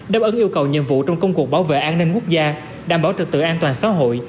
đáp ứng yêu cầu nhiệm vụ trong công cuộc bảo vệ an ninh quốc gia đảm bảo trực tự an toàn xã hội